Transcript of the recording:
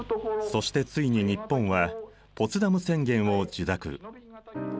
そしてついに日本はポツダム宣言を受諾。